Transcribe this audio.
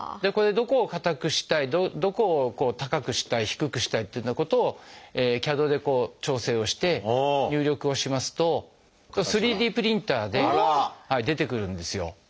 これでどこを硬くしたいどこを高くしたい低くしたいっていうようなことをＣＡＤで調整をして入力をしますと３Ｄプリンターで出てくるんですよ。